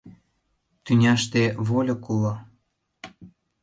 Тӱняште вольык уло.